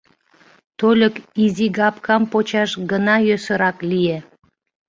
Тольык изигапкам почаш гына йӧсырак лие.